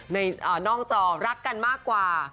นอกจอรักกันมากกว่า